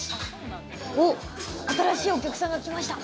新しいお客さんが来ました。